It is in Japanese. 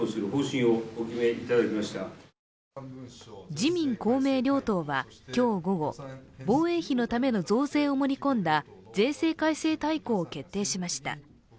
自民・公明両党は今日午後防衛費のための増税を盛り込んだ税制改正大綱を決定しました。